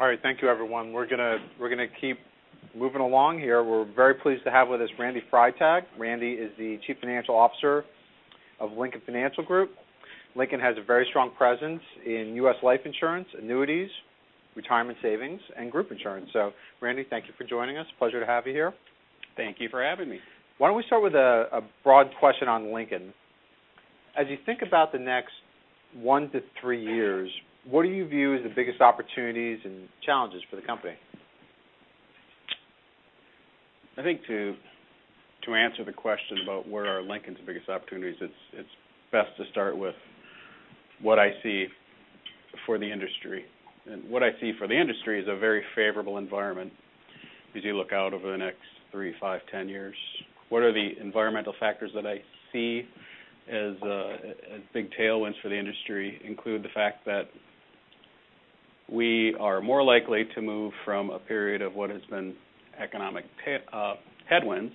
All right. Thank you, everyone. We're going to keep moving along here. We're very pleased to have with us Randy Freitag. Randy is the Chief Financial Officer of Lincoln Financial Group. Lincoln has a very strong presence in U.S. life insurance, annuities, retirement savings, and group insurance. Randy, thank you for joining us. Pleasure to have you here. Thank you for having me. Why don't we start with a broad question on Lincoln. As you think about the next one to three years, what do you view as the biggest opportunities and challenges for the company? I think to answer the question about what are Lincoln's biggest opportunities, it's best to start with what I see for the industry. What I see for the industry is a very favorable environment as you look out over the next three, five, 10 years. One of the environmental factors that I see as big tailwinds for the industry include the fact that we are more likely to move from a period of what has been economic headwinds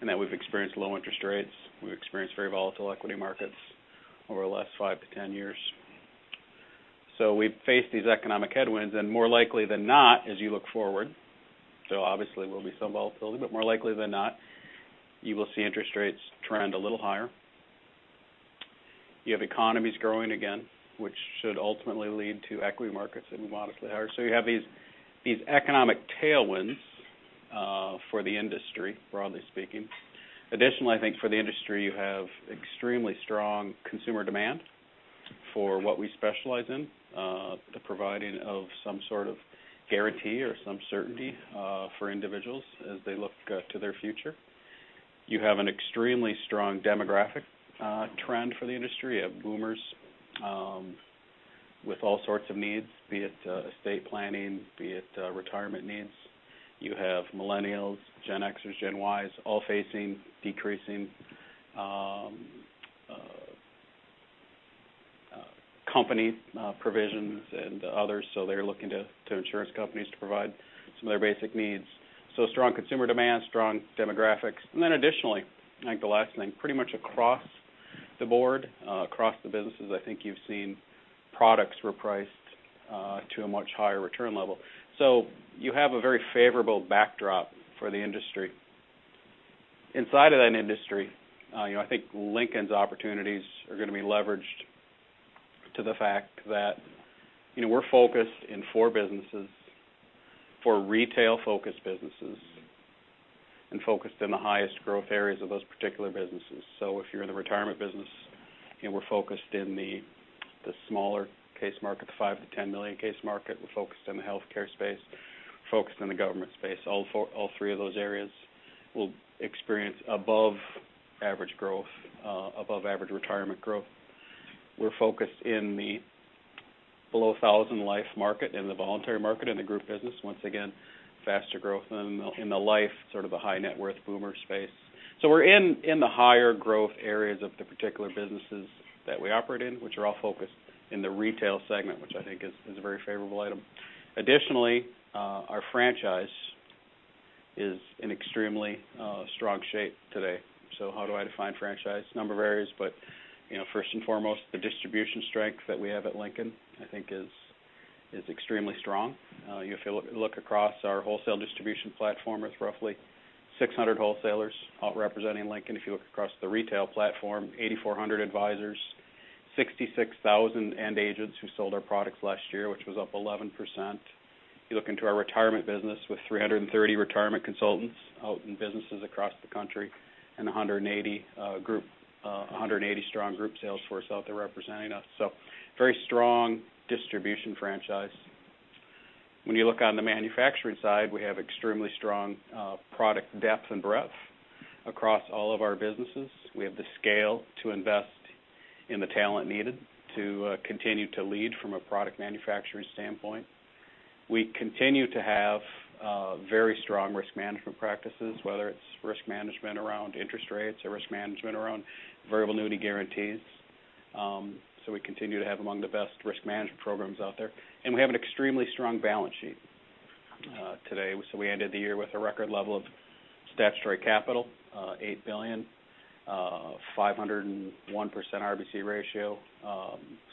in that we've experienced low interest rates, we've experienced very volatile equity markets over the last five to 10 years. We've faced these economic headwinds, and more likely than not, as you look forward, though obviously there will be some volatility, more likely than not, you will see interest rates trend a little higher. You have economies growing again, which should ultimately lead to equity markets that move modestly higher. You have these economic tailwinds for the industry, broadly speaking. Additionally, I think for the industry, you have extremely strong consumer demand for what we specialize in, the providing of some sort of guarantee or some certainty for individuals as they look to their future. You have an extremely strong demographic trend for the industry. You have boomers with all sorts of needs, be it estate planning, be it retirement needs. You have millennials, Gen Xers, Gen Ys, all facing decreasing company provisions and others, so they're looking to insurance companies to provide some of their basic needs. Strong consumer demand, strong demographics. Additionally, I think the last thing, pretty much across the board, across the businesses, I think you've seen products repriced to a much higher return level. You have a very favorable backdrop for the industry. Inside of that industry, I think Lincoln's opportunities are going to be leveraged to the fact that we're focused in four businesses, four retail-focused businesses, and focused in the highest growth areas of those particular businesses. If you're in the retirement business, we're focused in the smaller case market, the $5 million-$10 million case market. We're focused on the healthcare space. We're focused on the government space. All three of those areas will experience above average growth, above average retirement growth. We're focused in the below 1,000 life market, in the voluntary market, in the group business. Once again, faster growth in the life, sort of the high net worth boomer space. We're in the higher growth areas of the particular businesses that we operate in, which are all focused in the retail segment, which I think is a very favorable item. Additionally, our franchise is in extremely strong shape today. How do I define franchise? A number of areas, but first and foremost, the distribution strength that we have at Lincoln, I think is extremely strong. If you look across our wholesale distribution platform, it's roughly 600 wholesalers out representing Lincoln. If you look across the retail platform, 8,400 advisors, 66,000 end agents who sold our products last year, which was up 11%. If you look into our retirement business with 330 retirement consultants out in businesses across the country and 180 strong group sales force out there representing us. Very strong distribution franchise. When you look on the manufacturing side, we have extremely strong product depth and breadth across all of our businesses. We have the scale to invest in the talent needed to continue to lead from a product manufacturing standpoint. We continue to have very strong risk management practices, whether it's risk management around interest rates or risk management around variable annuity guarantees. We continue to have among the best risk management programs out there. We have an extremely strong balance sheet today. We ended the year with a record level of statutory capital, $8 billion, 501% RBC ratio,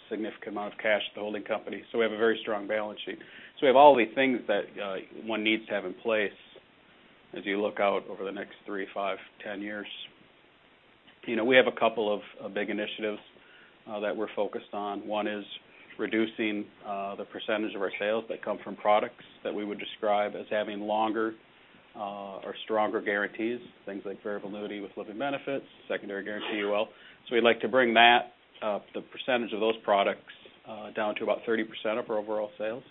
significant amount of cash at the holding company. We have a very strong balance sheet. We have all the things that one needs to have in place as you look out over the next three, five, 10 years. We have a couple of big initiatives that we're focused on. One is reducing the percentage of our sales that come from products that we would describe as having longer or stronger guarantees, things like variable annuity with living benefits, secondary guarantee UL. We'd like to bring the percentage of those products down to about 30% of our overall sales.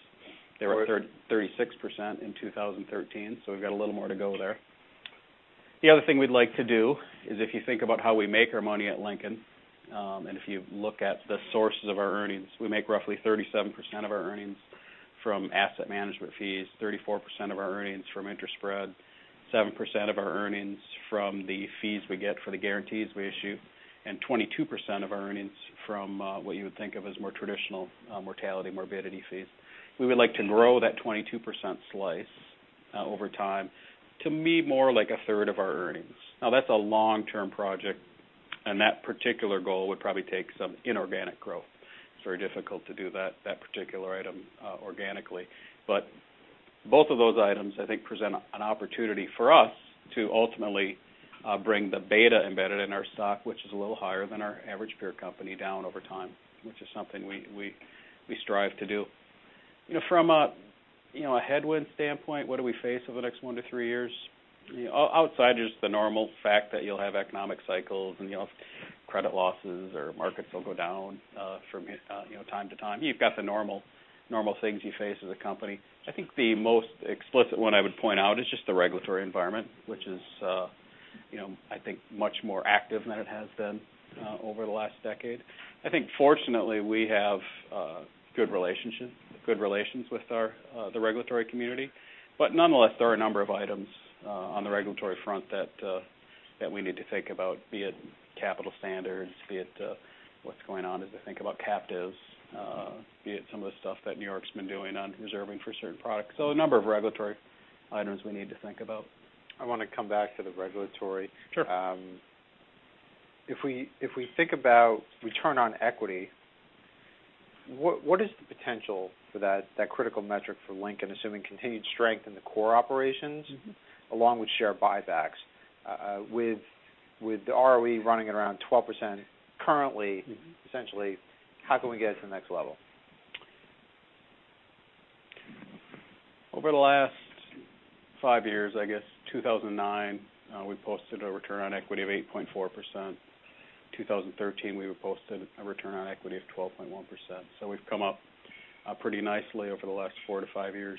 They were 36% in 2013, so we've got a little more to go there. The other thing we'd like to do is if you think about how we make our money at Lincoln, and if you look at the sources of our earnings, we make roughly 37% of our earnings from asset management fees, 34% of our earnings from interest spread, 7% of our earnings from the fees we get for the guarantees we issue, and 22% of our earnings from what you would think of as more traditional mortality, morbidity fees. We would like to grow that 22% slice over time to be more like a third of our earnings. That's a long-term project. That particular goal would probably take some inorganic growth. It's very difficult to do that particular item organically. Both of those items, I think, present an opportunity for us to ultimately bring the beta embedded in our stock, which is a little higher than our average peer company, down over time, which is something we strive to do. From a headwind standpoint, what do we face over the next one to three years? Outside just the normal fact that you'll have economic cycles and credit losses or markets will go down from time to time. You've got the normal things you face as a company. I think the most explicit one I would point out is just the regulatory environment, which is I think much more active than it has been over the last decade. I think fortunately we have good relations with the regulatory community. Nonetheless, there are a number of items on the regulatory front that we need to think about, be it capital standards, be it what's going on as we think about captives, be it some of the stuff that N.Y.'s been doing on reserving for certain products. A number of regulatory items we need to think about. I want to come back to the regulatory. Sure. If we think about return on equity, what is the potential for that critical metric for Lincoln, assuming continued strength in the core operations along with share buybacks? With the ROE running at around 12% currently, essentially, how can we get it to the next level? Over the last five years, I guess 2009, we posted a return on equity of 8.4%. 2013, we posted a return on equity of 12.1%. We've come up pretty nicely over the last four to five years.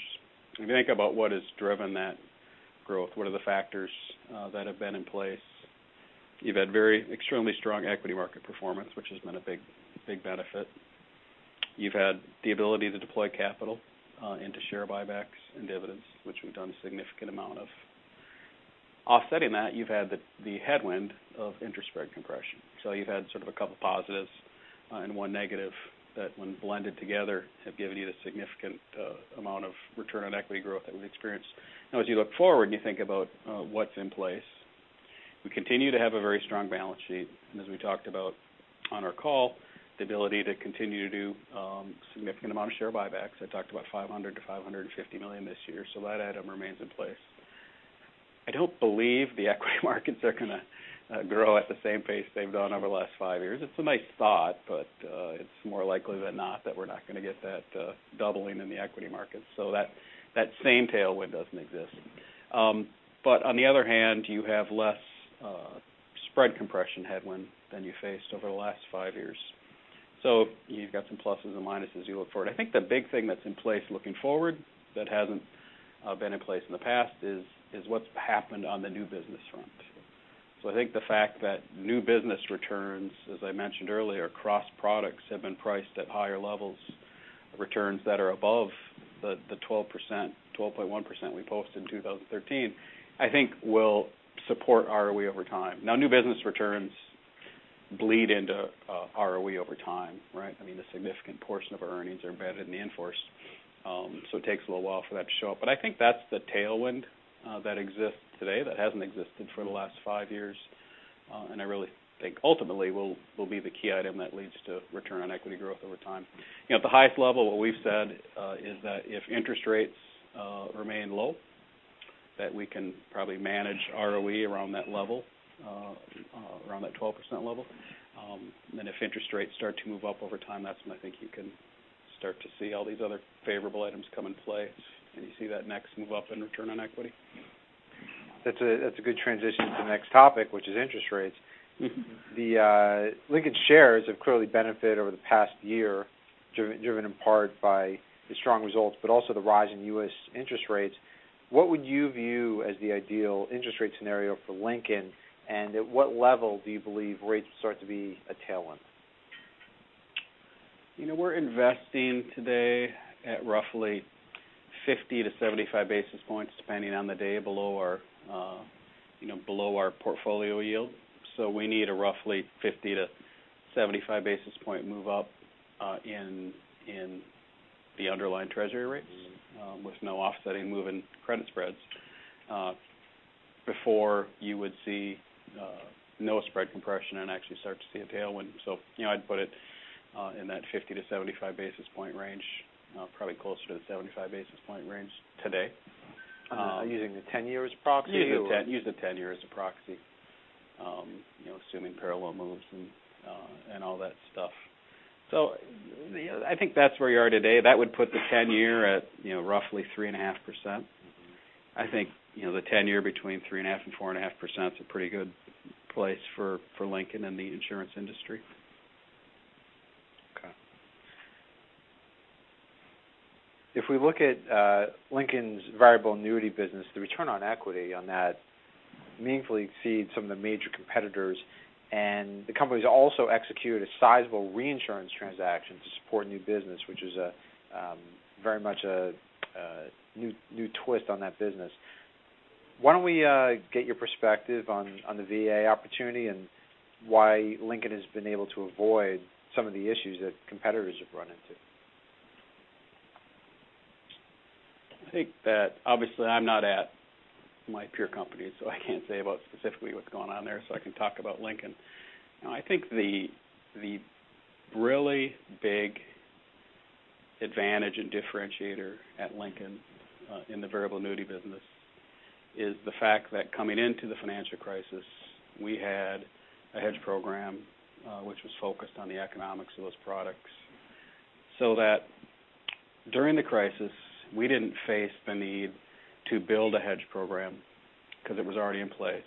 If you think about what has driven that growth, what are the factors that have been in place? You've had very extremely strong equity market performance, which has been a big benefit. You've had the ability to deploy capital into share buybacks and dividends, which we've done a significant amount of. Offsetting that, you've had the headwind of interest spread compression. You've had sort of a couple positives and one negative that when blended together have given you the significant amount of return on equity growth that we experienced. Now as you look forward and you think about what's in place, we continue to have a very strong balance sheet. As we talked about on our call, the ability to continue to do significant amount of share buybacks. I talked about $500 million-$550 million this year, that item remains in place. I don't believe the equity markets are going to grow at the same pace they've gone over the last five years. It's a nice thought, it's more likely than not that we're not going to get that doubling in the equity markets. That same tailwind doesn't exist. On the other hand, you have less spread compression headwind than you faced over the last five years. You've got some pluses and minuses you look for. I think the big thing that's in place looking forward that hasn't been in place in the past is what's happened on the new business front. I think the fact that new business returns, as I mentioned earlier, across products have been priced at higher levels, returns that are above the 12.1% we posted in 2013, I think will support ROE over time. New business returns bleed into ROE over time, right? I mean, a significant portion of our earnings are embedded in the in-force. It takes a little while for that to show up. I think that's the tailwind that exists today that hasn't existed for the last five years. I really think ultimately will be the key item that leads to return on equity growth over time. At the highest level, what we've said is that if interest rates remain low, that we can probably manage ROE around that level, around that 12% level. If interest rates start to move up over time, that's when I think you can start to see all these other favorable items come in play, and you see that next move up in return on equity. That's a good transition to the next topic, which is interest rates. The Lincoln shares have clearly benefited over the past year, driven in part by the strong results, but also the rise in U.S. interest rates. What would you view as the ideal interest rate scenario for Lincoln, and at what level do you believe rates start to be a tailwind? We're investing today at roughly 50 to 75 basis points, depending on the day, below our portfolio yield. We need a roughly 50 to 75 basis point move up in the underlying Treasury rates with no offsetting move in credit spreads before you would see no spread compression and actually start to see a tailwind. I'd put it in that 50 to 75 basis point range, probably closer to the 75 basis point range today. Using the 10-year as a proxy. Use the 10-year as a proxy. Assuming parallel moves and all that stuff. I think that's where you are today. That would put the 10-year at roughly 3.5%. I think the 10-year between 3.5%-4.5% is a pretty good place for Lincoln and the insurance industry. Okay. If we look at Lincoln's variable annuity business, the return on equity on that meaningfully exceeds some of the major competitors. The company's also executed a sizable reinsurance transaction to support new business, which is very much a new twist on that business. Why don't we get your perspective on the VA opportunity and why Lincoln has been able to avoid some of the issues that competitors have run into? I think that obviously I'm not at my peer companies, so I can't say about specifically what's going on there, so I can talk about Lincoln. I think the really big advantage and differentiator at Lincoln, in the variable annuity business is the fact that coming into the financial crisis, we had a hedge program, which was focused on the economics of those products, so that during the crisis, we didn't face the need to build a hedge program because it was already in place,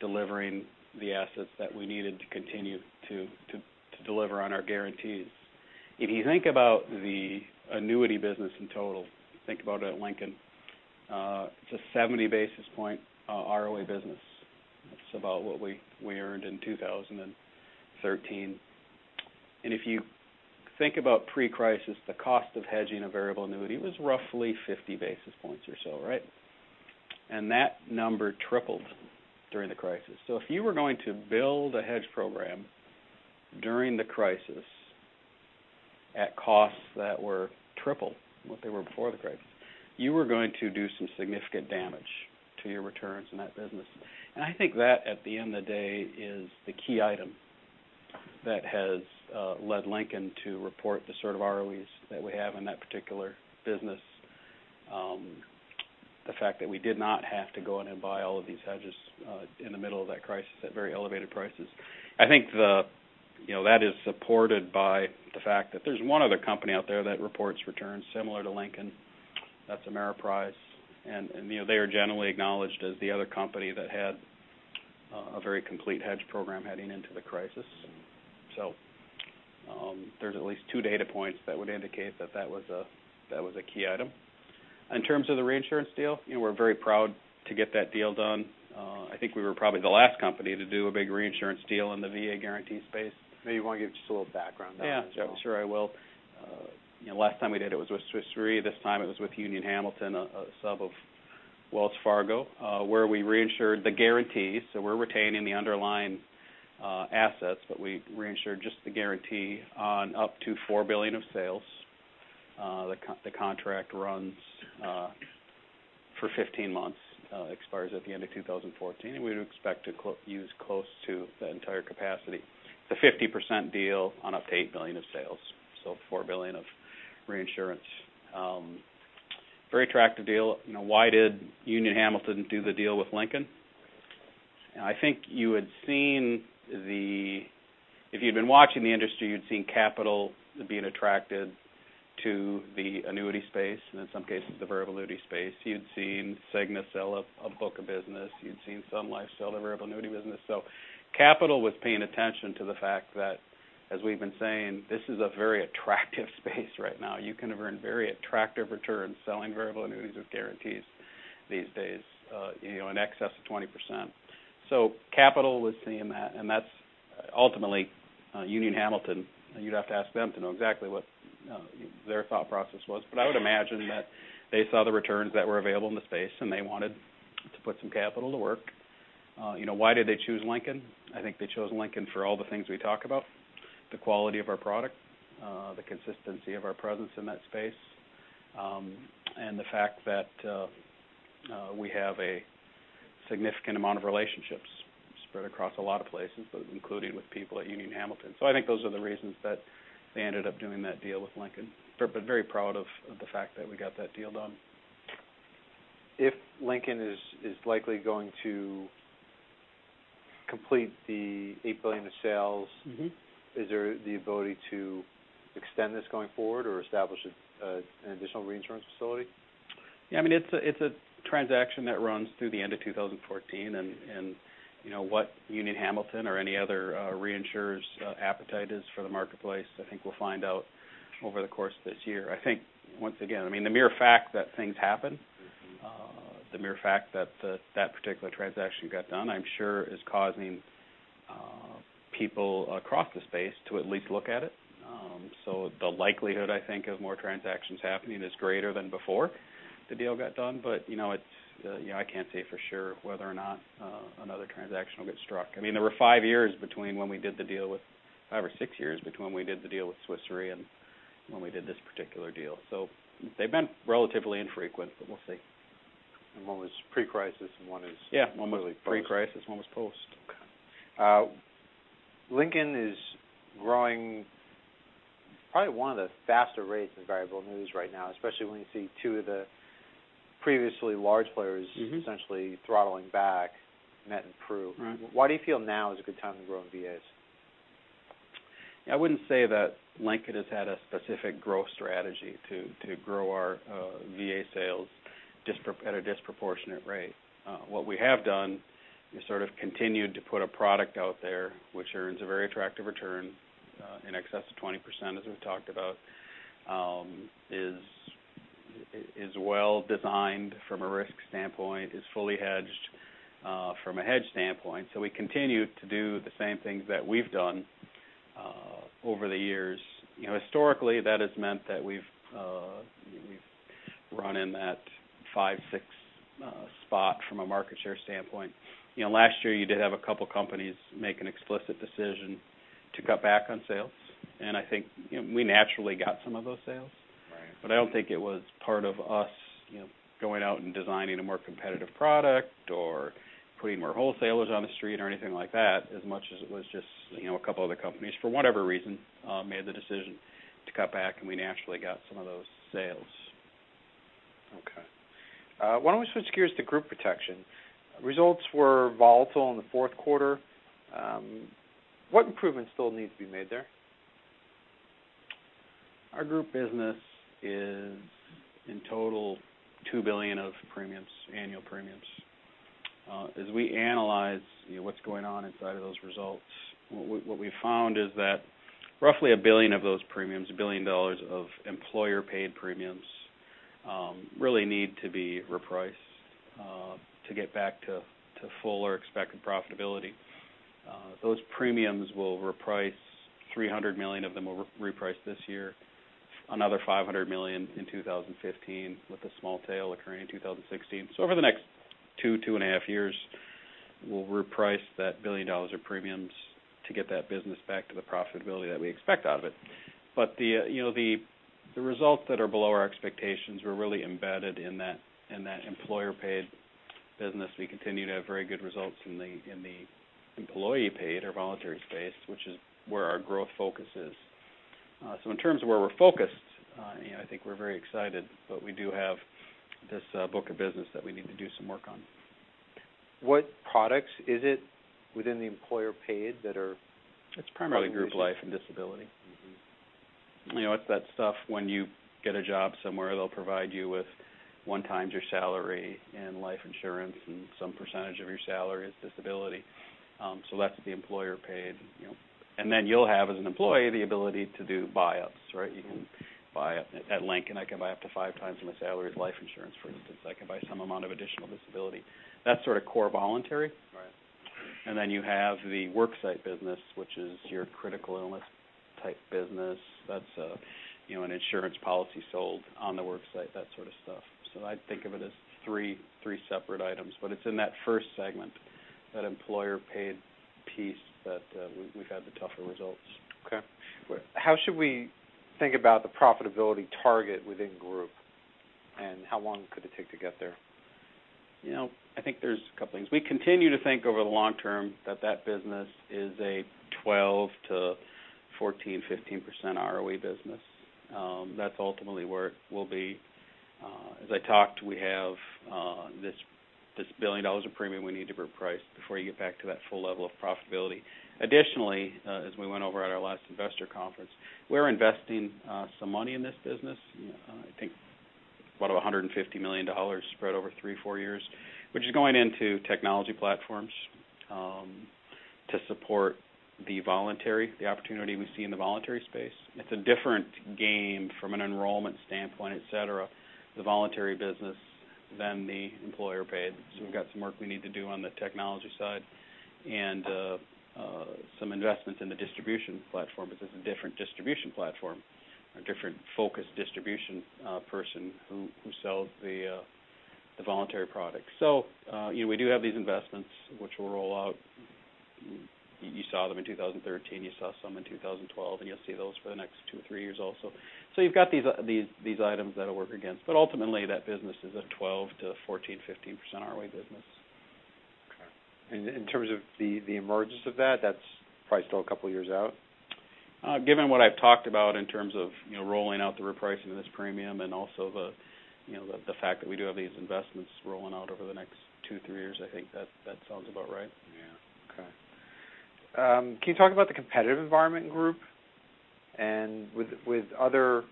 delivering the assets that we needed to continue to deliver on our guarantees. If you think about the annuity business in total, think about it at Lincoln, it's a 70 basis point ROA business. That's about what we earned in 2013. If you think about pre-crisis, the cost of hedging a variable annuity was roughly 50 basis points or so, right? That number tripled during the crisis. If you were going to build a hedge program during the crisis at costs that were triple what they were before the crisis, you were going to do some significant damage to your returns in that business. I think that, at the end of the day, is the key item that has led Lincoln to report the sort of ROEs that we have in that particular business. The fact that we did not have to go in and buy all of these hedges in the middle of that crisis at very elevated prices. I think that is supported by the fact that there's one other company out there that reports returns similar to Lincoln. That's Ameriprise. They are generally acknowledged as the other company that had a very complete hedge program heading into the crisis. There's at least two data points that would indicate that was a key item. In terms of the reinsurance deal, we're very proud to get that deal done. I think we were probably the last company to do a big reinsurance deal in the VA guarantee space. Maybe you want to give just a little background on that as well. Yeah. Sure, I will. Last time we did it was with Swiss Re, this time it was with Union Hamilton, a sub of Wells Fargo, where we reinsured the guarantee. We're retaining the underlying assets, but we reinsured just the guarantee on up to $4 billion of sales. The contract runs for 15 months, expires at the end of 2014, and we'd expect to use close to the entire capacity. It's a 50% deal on up to $8 billion of sales. $4 billion of reinsurance. Very attractive deal. Why did Union Hamilton do the deal with Lincoln? I think if you'd been watching the industry, you'd seen capital being attracted to the annuity space, and in some cases, the variable annuity space. You'd seen Cigna sell a book of business. You'd seen Sun Life sell their variable annuity business. Capital was paying attention to the fact that, as we've been saying, this is a very attractive space right now. You can earn very attractive returns selling variable annuities with guarantees these days, in excess of 20%. Capital was seeing that, and that's ultimately Union Hamilton. You'd have to ask them to know exactly what their thought process was. I would imagine that they saw the returns that were available in the space, and they wanted to put some capital to work. Why did they choose Lincoln? I think they chose Lincoln for all the things we talk about. The quality of our product, the consistency of our presence in that space, and the fact that we have a significant amount of relationships spread across a lot of places, including with people at Union Hamilton. I think those are the reasons that they ended up doing that deal with Lincoln. Very proud of the fact that we got that deal done. If Lincoln is likely going to complete the $8 billion of sales. Is there the ability to extend this going forward or establish an additional reinsurance facility? Yeah, it's a transaction that runs through the end of 2014, and what Union Hamilton or any other reinsurer's appetite is for the marketplace, I think we'll find out over the course of this year. I think, once again, the mere fact that things happen, the mere fact that that particular transaction got done, I'm sure is causing people across the space to at least look at it. The likelihood, I think, of more transactions happening is greater than before the deal got done. I can't say for sure whether or not another transaction will get struck. There were five or six years between when we did the deal with Swiss Re and when we did this particular deal. They've been relatively infrequent, but we'll see. One was pre-crisis, and one is- Yeah. One was pre-crisis, and one was post. Okay. Lincoln is growing probably one of the faster rates in variable annuities right now, especially when you see two of the previously large players. Essentially throttling back, Met and Pru. Right. Why do you feel now is a good time to grow in VAs? I wouldn't say that Lincoln has had a specific growth strategy to grow our VA sales at a disproportionate rate. What we have done is continued to put a product out there which earns a very attractive return, in excess of 20%, as we've talked about. Is well-designed from a risk standpoint, is fully hedged from a hedge standpoint. We continue to do the same things that we've done over the years. Historically, that has meant that we've run in that five, six Spot from a market share standpoint. Last year, you did have a couple companies make an explicit decision to cut back on sales, I think we naturally got some of those sales. Right. I don't think it was part of us going out and designing a more competitive product or putting more wholesalers on the street or anything like that, as much as it was just a couple other companies, for whatever reason, made the decision to cut back, and we naturally got some of those sales. Okay. Why don't we switch gears to group protection? Results were volatile in the fourth quarter. What improvements still need to be made there? Our group business is, in total, $2 billion of annual premiums. As we analyze what's going on inside of those results, what we've found is that roughly $1 billion of those premiums, $1 billion of employer-paid premiums, really need to be repriced to get back to fuller expected profitability. Those premiums will reprice, $300 million of them will reprice this year, another $500 million in 2015, with a small tail occurring in 2016. Over the next two and a half years, we'll reprice that $1 billion of premiums to get that business back to the profitability that we expect out of it. The results that are below our expectations were really embedded in that employer-paid business. We continue to have very good results in the employee-paid or voluntary space, which is where our growth focus is. In terms of where we're focused, I think we're very excited, but we do have this book of business that we need to do some work on. What products is it within the employer-paid that are? It's primarily group life and disability. It's that stuff when you get a job somewhere, they'll provide you with one times your salary in life insurance and some percentage of your salary as disability. That's the employer-paid. Then you'll have, as an employee, the ability to do buy-ups, right? You can buy up. At Lincoln, I can buy up to five times my salary as life insurance, for instance. I can buy some amount of additional disability. That's sort of core voluntary. Right. Then you have the work site business, which is your critical illness type business. That's an insurance policy sold on the work site, that sort of stuff. I'd think of it as three separate items. But it's in that first segment, that employer-paid piece, that we've had the tougher results. How should we think about the profitability target within Group, and how long could it take to get there? I think there's a couple things. We continue to think over the long term that that business is a 12%-14%, 15% ROE business. That's ultimately where it will be. As I talked, we have this $1 billion of premium we need to reprice before you get back to that full level of profitability. Additionally, as we went over at our last investor conference, we're investing some money in this business. I think about $150 million spread over three, four years, which is going into technology platforms to support the opportunity we see in the voluntary space. It's a different game from an enrollment standpoint, et cetera, the voluntary business than the employer-paid. We've got some work we need to do on the technology side and some investments in the distribution platform because it's a different distribution platform, a different focus distribution person who sells the voluntary product. We do have these investments which will roll out. You saw them in 2013, you saw some in 2012, and you'll see those for the next two or three years also. You've got these items that'll work against, but ultimately that business is a 12%-14%, 15% ROE business. In terms of the emergence of that's probably still a couple of years out? Given what I've talked about in terms of rolling out the repricing of this premium and also the fact that we do have these investments rolling out over the next two, three years, I think that sounds about right. Yeah. Okay. Can you talk about the competitive environment in Group? With other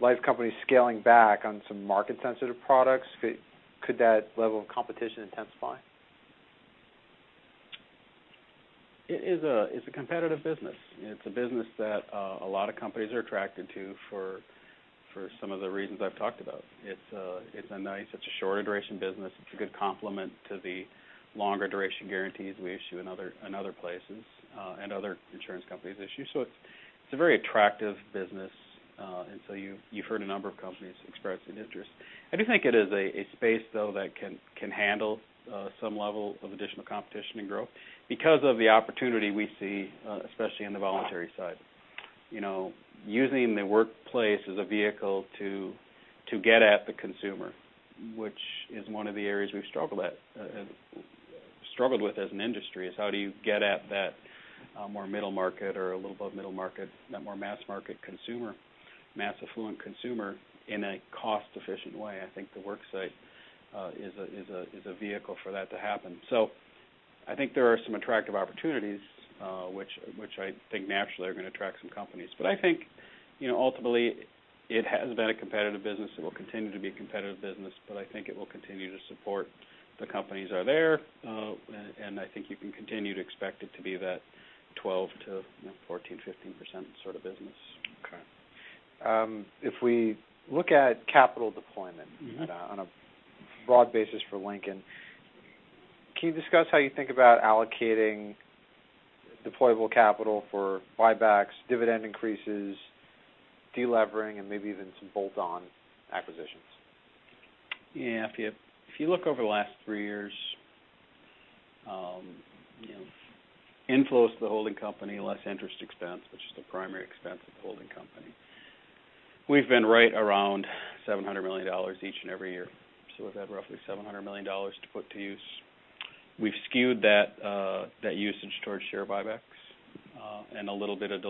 life companies scaling back on some market-sensitive products, could that level of competition intensify? It is a competitive business. It's a business that a lot of companies are attracted to for some of the reasons I've talked about. It's a nice, shorter duration business. It's a good complement to the longer duration guarantees we issue in other places, and other insurance companies issue. It's a very attractive business, and so you've heard a number of companies expressing interest. I do think it is a space, though, that can handle some level of additional competition and growth because of the opportunity we see, especially in the voluntary side. Using the workplace as a vehicle to get at the consumer, which is one of the areas we've struggled with as an industry, is how do you get at that more middle market or a little above middle market, that more mass affluent consumer, in a cost-efficient way? I think the work site is a vehicle for that to happen. I think there are some attractive opportunities, which I think naturally are going to attract some companies. I think, ultimately, it has been a competitive business. It will continue to be a competitive business, but I think it will continue to support the companies are there, and I think you can continue to expect it to be that 12 to 14, 15% sort of business. Okay. If we look at capital deployment on a broad basis for Lincoln, can you discuss how you think about allocating deployable capital for buybacks, dividend increases, delevering, and maybe even some bolt-on acquisitions? Yeah. If you look over the last three years, inflows to the holding company, less interest expense, which is the primary expense of the holding company. We've been right around $700 million each and every year. We've had roughly $700 million to put to use. We've skewed that usage towards share buybacks, and a little bit of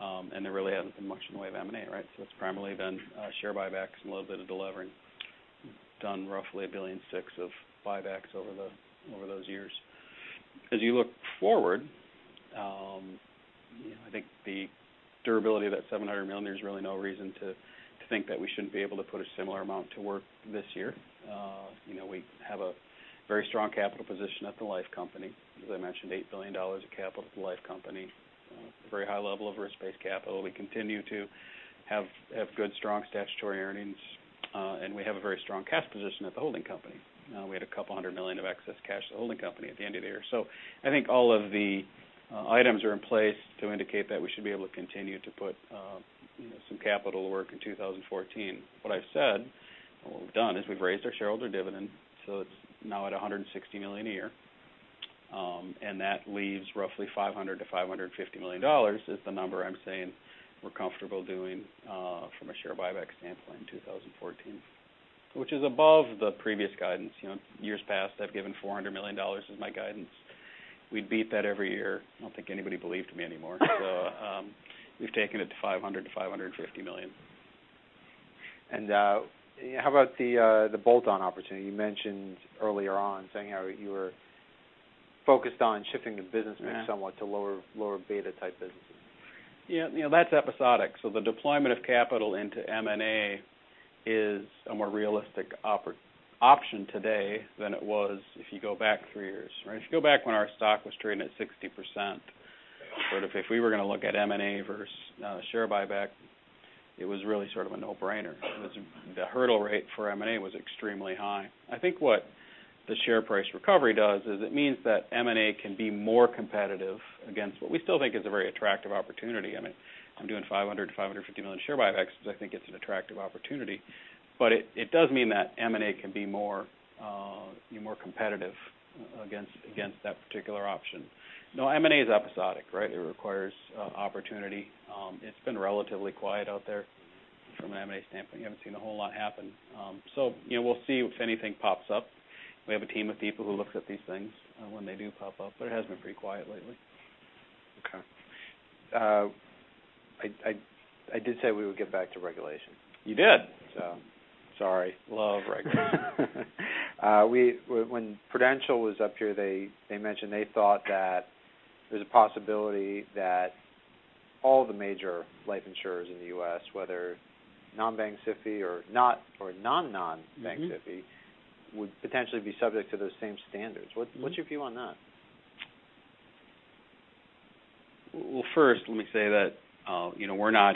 delevering. There really hasn't been much in the way of M&A, right? It's primarily been share buybacks and a little bit of delevering. Done roughly $1.6 billion of buybacks over those years. As you look forward, I think the durability of that $700 million, there's really no reason to think that we shouldn't be able to put a similar amount to work this year. We have a very strong capital position at the life company. As I mentioned, $8 billion of capital at the life company. A very high level of risk-based capital. We continue to have good, strong statutory earnings. We have a very strong cash position at the holding company. We had a couple of hundred million of excess cash as a holding company at the end of the year. I think all of the items are in place to indicate that we should be able to continue to put some capital to work in 2014. What I've said, what we've done, is we've raised our shareholder dividend, so it's now at $160 million a year. That leaves roughly $500 million-$550 million, is the number I'm saying we're comfortable doing from a share buyback standpoint in 2014. Which is above the previous guidance. In years past, I've given $400 million as my guidance. We'd beat that every year. I don't think anybody believed me anymore. We've taken it to $500 million-$550 million. How about the bolt-on opportunity? You mentioned earlier on saying how you were focused on shifting the business mix somewhat to lower beta type businesses. Yeah. That's episodic. The deployment of capital into M&A is a more realistic option today than it was if you go back three years, right? If you go back when our stock was trading at 60%, if we were going to look at M&A versus share buyback, it was really sort of a no-brainer. The hurdle rate for M&A was extremely high. I think what the share price recovery does is it means that M&A can be more competitive against what we still think is a very attractive opportunity. I'm doing $500 million-$550 million share buybacks because I think it's an attractive opportunity. It does mean that M&A can be more competitive against that particular option. M&A is episodic, right? It requires opportunity. It's been relatively quiet out there from an M&A standpoint. You haven't seen a whole lot happen. We'll see if anything pops up. We have a team of people who looks at these things when they do pop up, but it has been pretty quiet lately. Okay. I did say we would get back to regulation. You did. Sorry. Love regulation. When Prudential was up here, they mentioned they thought that there's a possibility that all the major life insurers in the U.S., whether non-bank SIFI or non non-bank SIFI, would potentially be subject to those same standards. What's your view on that? Well, first, let me say that we're not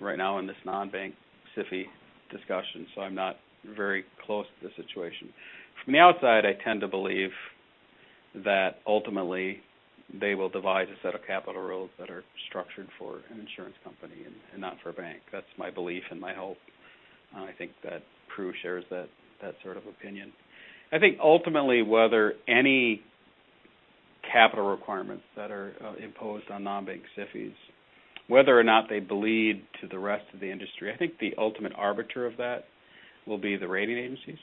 right now in this non-bank SIFI discussion. I'm not very close to the situation. From the outside, I tend to believe that ultimately they will devise a set of capital rules that are structured for an insurance company and not for a bank. That's my belief and my hope. I think that Pru shares that sort of opinion. Ultimately, whether any capital requirements that are imposed on non-bank SIFIs, whether or not they bleed to the rest of the industry, I think the ultimate arbiter of that will be the rating agencies.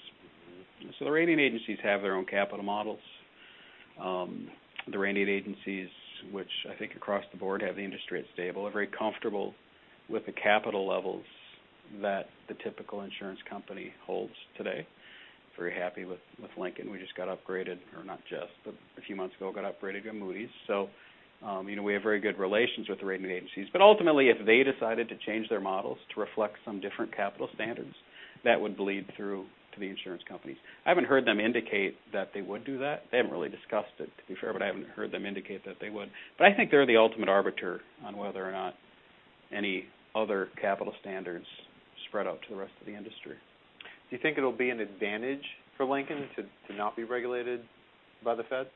The rating agencies have their own capital models. The rating agencies, which I think across the board have the industry at stable, are very comfortable with the capital levels that the typical insurance company holds today. Very happy with Lincoln. We just got upgraded, or not just, but a few months ago, got upgraded by Moody's. We have very good relations with the rating agencies. Ultimately, if they decided to change their models to reflect some different capital standards, that would bleed through to the insurance companies. I haven't heard them indicate that they would do that. They haven't really discussed it, to be fair, but I haven't heard them indicate that they would. I think they're the ultimate arbiter on whether or not any other capital standards spread out to the rest of the industry. Do you think it'll be an advantage for Lincoln to not be regulated by the Fed?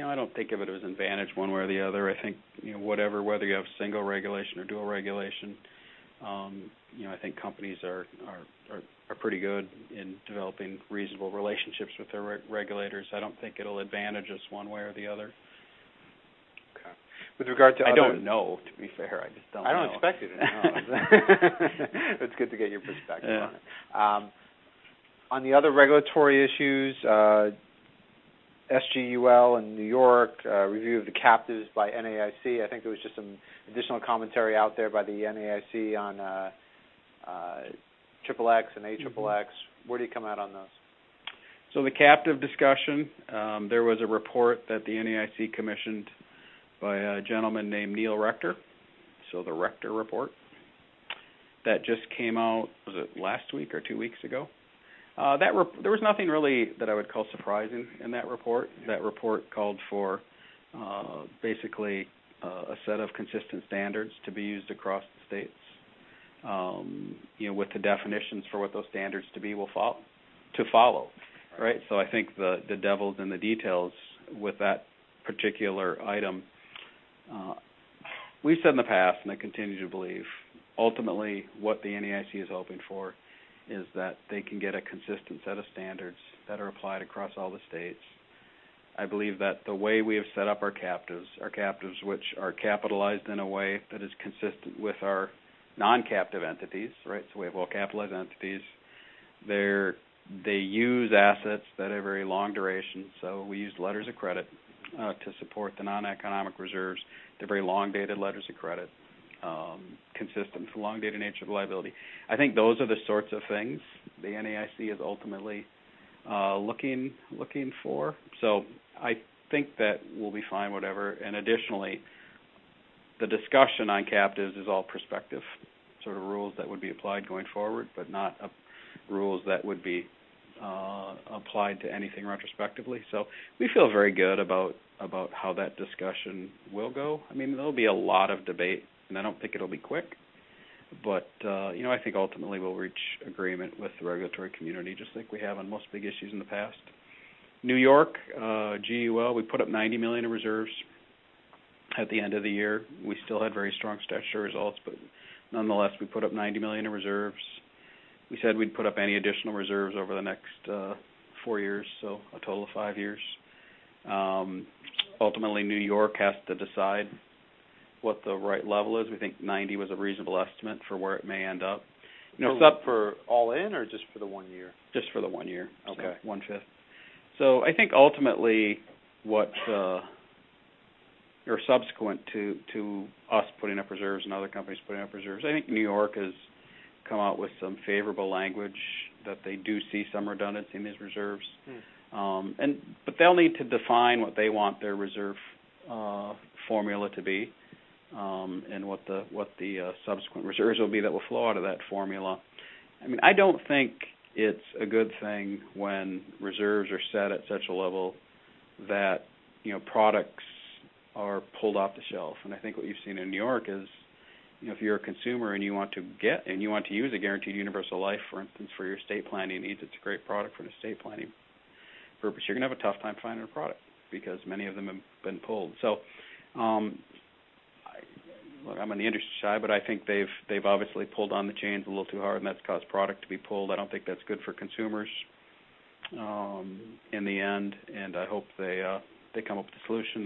I don't think of it as an advantage one way or the other. I think whether you have single regulation or dual regulation, I think companies are pretty good in developing reasonable relationships with their regulators. I don't think it'll advantage us one way or the other. Okay. With regard to other- I don't know, to be fair. I just don't know. I don't expect you to know. It's good to get your perspective on it. Yeah. On the other regulatory issues, SGUL in New York, review of the captives by NAIC. I think there was just some additional commentary out there by the NAIC on XXX and AXXX. Where do you come out on those? The captive discussion, there was a report that the NAIC commissioned by a gentleman named Neil Rector. The Rector report that just came out, was it last week or two weeks ago? There was nothing really that I would call surprising in that report. That report called for basically a set of consistent standards to be used across the states with the definitions for what those standards to be will follow, right? I think the devil's in the details with that particular item. We've said in the past, and I continue to believe, ultimately, what the NAIC is hoping for is that they can get a consistent set of standards that are applied across all the states. I believe that the way we have set up our captives, our captives which are capitalized in a way that is consistent with our non-captive entities, right? We have well-capitalized entities. They use assets that are very long duration, so we use letters of credit to support the non-economic reserves. They're very long-dated letters of credit, consistent with the long-dated nature of the liability. I think those are the sorts of things the NAIC is ultimately looking for. I think that we'll be fine, whatever. Additionally, the discussion on captives is all prospective sort of rules that would be applied going forward, but not rules that would be applied to anything retrospectively. We feel very good about how that discussion will go. There'll be a lot of debate, and I don't think it'll be quick, but I think ultimately we'll reach agreement with the regulatory community, just like we have on most big issues in the past. New York GUL, we put up $90 million in reserves at the end of the year. We still had very strong statutory results. Nonetheless, we put up $90 million in reserves. We said we'd put up any additional reserves over the next four years, so a total of five years. Ultimately, New York has to decide what the right level is. We think 90 was a reasonable estimate for where it may end up. Was that for all in or just for the one year? Just for the one year. Okay. One fifth. I think ultimately what or subsequent to us putting up reserves and other companies putting up reserves, I think New York has come out with some favorable language that they do see some redundancy in these reserves. They'll need to define what they want their reserve formula to be, and what the subsequent reserves will be that will flow out of that formula. I don't think it's a good thing when reserves are set at such a level that products are pulled off the shelf. I think what you've seen in New York is, if you're a consumer and you want to get, and you want to use a Guaranteed Universal Life, for instance, for your estate planning needs, it's a great product for an estate planning purpose. You're going to have a tough time finding a product because many of them have been pulled. I'm on the industry side, I think they've obviously pulled on the chains a little too hard, and that's caused product to be pulled. I don't think that's good for consumers in the end, I hope they come up with a solution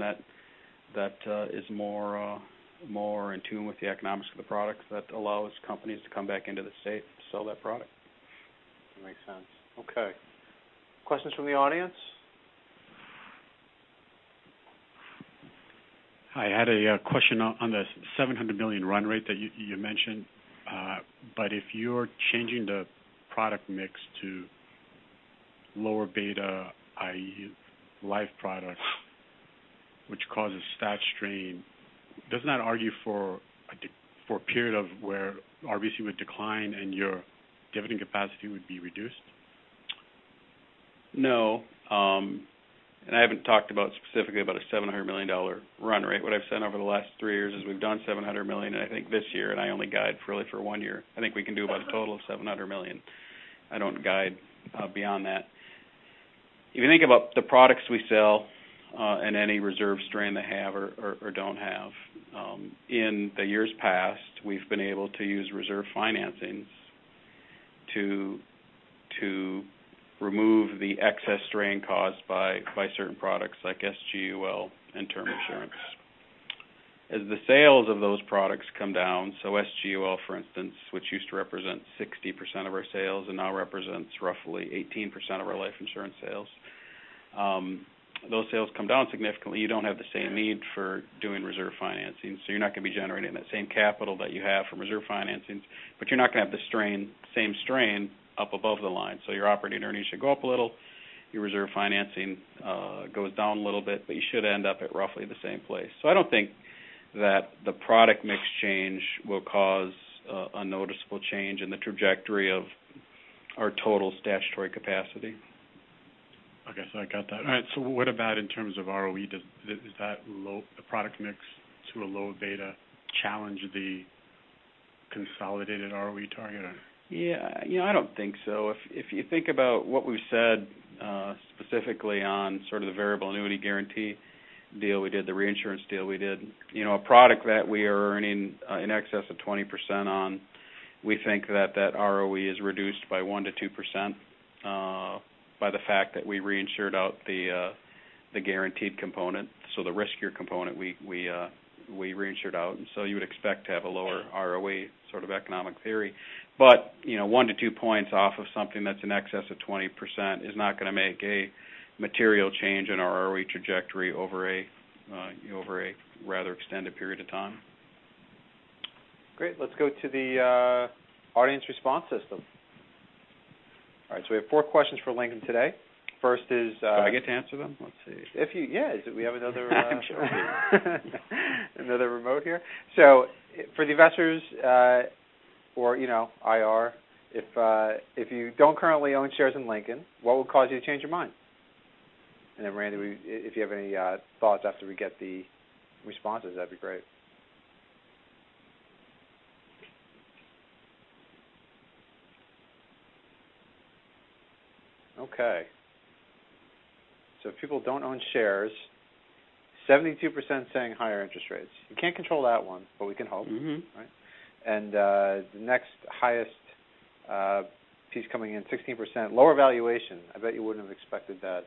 that is more in tune with the economics of the products that allows companies to come back into the state to sell that product. That makes sense. Okay. Questions from the audience? I had a question on the $700 million run rate that you mentioned. If you're changing the product mix to lower beta, i.e., life products, which causes stat strain, doesn't that argue for a period of where RBC would decline and your dividend capacity would be reduced? No, I haven't talked specifically about a $700 million run rate. What I've said over the last three years is we've done $700 million, I think, this year, and I only guide really for one year. I think we can do about a total of $700 million. I don't guide beyond that. If you think about the products we sell, and any reserve strain they have or don't have, in the years past, we've been able to use reserve financings to remove the excess strain caused by certain products like SGUL and term insurance. As the sales of those products come down, so SGUL, for instance, which used to represent 60% of our sales and now represents roughly 18% of our life insurance sales. Those sales come down significantly. You don't have the same need for doing reserve financing, you're not going to be generating that same capital that you have from reserve financings. You're not going to have the same strain up above the line. Your operating earnings should go up a little. Your reserve financing goes down a little bit, but you should end up at roughly the same place. I don't think that the product mix change will cause a noticeable change in the trajectory of our total statutory capacity. Okay. I got that. All right. What about in terms of ROE? Does the product mix to a low beta challenge the consolidated ROE target? Yeah. I don't think so. If you think about what we've said, specifically on sort of the variable annuity guarantee deal we did, the reinsurance deal we did. A product that we are earning in excess of 20% on, we think that that ROE is reduced by 1% to 2% by the fact that we reinsured out the guaranteed component. The riskier component, we reinsured out. You would expect to have a lower ROE sort of economic theory. One to two points off of something that's in excess of 20% is not going to make a material change in our ROE trajectory over a rather extended period of time. Great. Let's go to the audience response system. All right, we have four questions for Lincoln today. First is- Do I get to answer them? Let's see. Yes. We have. Sure. Another remote here. For the investors, or IR, if you don't currently own shares in Lincoln, what would cause you to change your mind? Randy, if you have any thoughts after we get the responses, that'd be great. Okay. If people don't own shares, 72% saying higher interest rates. We can't control that one, but we can hope. Right. The next highest piece coming in, 16% lower valuation. I bet you wouldn't have expected that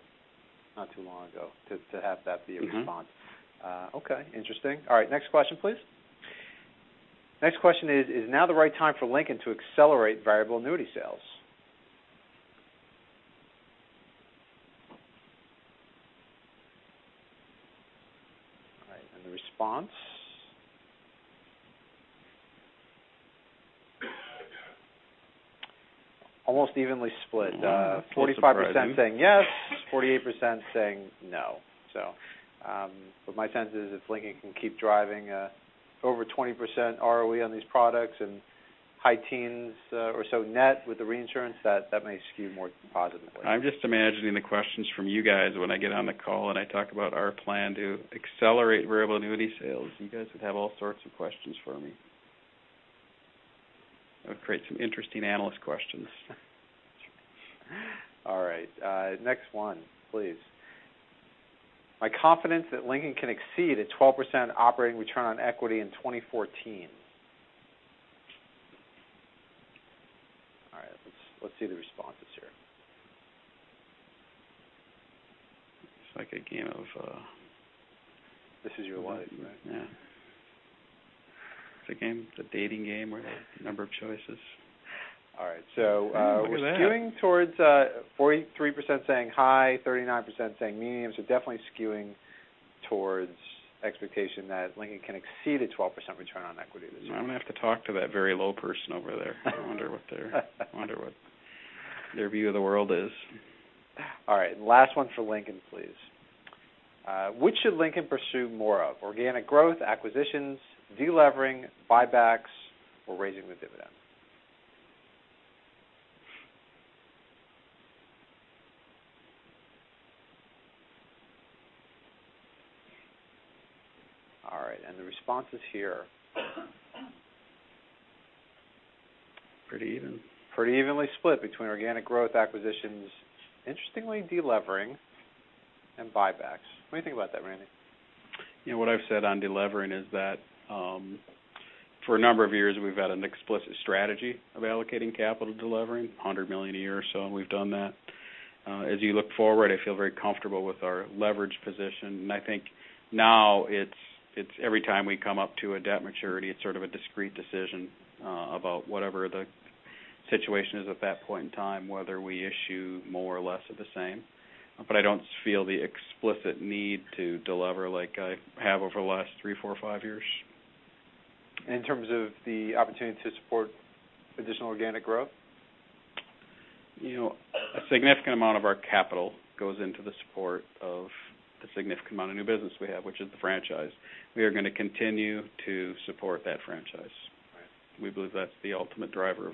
not too long ago, to have that be a response. Okay, interesting. All right, next question, please. Next question is: Is now the right time for Lincoln to accelerate variable annuity sales? All right, the response. Almost evenly split. Mm-hmm. Surprising. 45% saying yes, 48% saying no. My sense is if Lincoln can keep driving over 20% ROE on these products and high teens or so net with the reinsurance, that may skew more positively. I'm just imagining the questions from you guys when I get on the call and I talk about our plan to accelerate variable annuity sales. You guys would have all sorts of questions for me. That would create some interesting analyst questions. All right. Next one, please. My confidence that Lincoln can exceed a 12% operating return on equity in 2014. All right. Let's see the responses here. It's like a game of, This Is Your Life. Right, yeah. It's a game, it's a dating game where a number of choices. All right. Look at that We're skewing towards 43% saying high, 39% saying medium. Definitely skewing towards the expectation that Lincoln can exceed a 12% return on equity this year. I'm going to have to talk to that very low person over there. I wonder what their view of the world is. All right. Last one for Lincoln, please. Which should Lincoln pursue more of: organic growth, acquisitions, de-levering, buybacks, or raising the dividend? The responses here. Pretty even. Pretty evenly split between organic growth, acquisitions, interestingly, de-levering, and buybacks. What do you think about that, Randy? What I've said on de-levering is that for a number of years, we've had an explicit strategy of allocating capital to de-livering, $100 million a year or so, and we've done that. As you look forward, I feel very comfortable with our leverage position, and I think now it's every time we come up to a debt maturity, it's sort of a discrete decision about whatever the situation is at that point in time, whether we issue more or less of the same. I don't feel the explicit need to de-lever like I have over the last three, four, five years. In terms of the opportunity to support additional organic growth? A significant amount of our capital goes into the support of the significant amount of new business we have, which is the franchise. We are going to continue to support that franchise. Right. We believe that's the ultimate driver of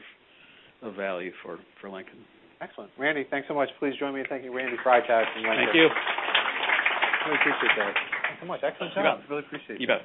value for Lincoln. Excellent. Randy, thanks so much. Please join me in thanking Randy Freitag from Lincoln. Thank you. Really appreciate that. Thanks so much. Excellent job. You bet. Really appreciate it. You bet.